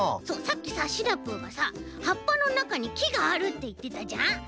そうさっきさシナプーがさはっぱのなかにきがあるっていってたじゃん？